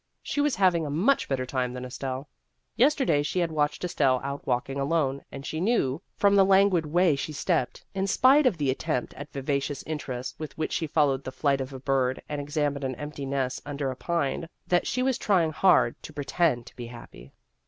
She was having a much better time than Estelle. Yesterday she had watched Estelle out walking alone, and she knew from the languid way she stepped, in spite of the attempt at vivacious interest with which she followed the flight of a bird and examined an empty nest un der a pine, that she was trying hard to pretend to be happy.